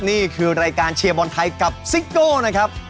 นี่คือรายการเชียร์บอลไทยกับซิโก้นะครับ